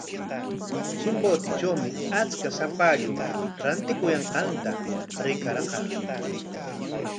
Chimbotetrawmi achka shapallu rantikuyanqanta rikarqaa.